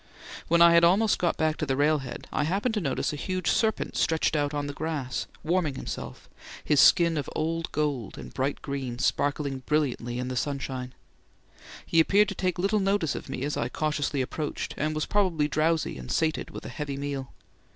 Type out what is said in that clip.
When I had almost got back to railhead I happened to notice a huge serpent stretched out on the grass, warming himself, his skin of old gold and bright green sparkling brilliantly in the sunshine. He appeared to take little notice of me as I cautiously approached, and was probably drowsy and sated with a heavy meal.